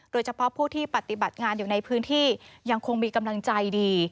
โดยเฉพาะผู้ที่ปฏิบัติงานอยู่ในพื้นที่ยังคงมีกำลังใจดี